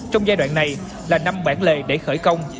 trong giai đoạn này là năm bản lề để khởi công